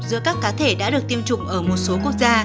giữa các cá thể đã được tiêm chủng ở một số quốc gia